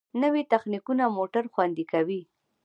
نوې تخنیکونه موټر خوندي کوي.